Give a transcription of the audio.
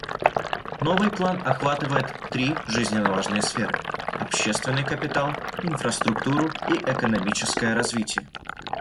Новый план охватывает три жизненно важные сферы: общественный капитал, инфраструктуру и экономическое развитие.